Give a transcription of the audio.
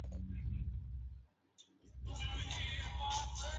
Beltrán asistió a la East Bakersfield High School y el Bakersfield College.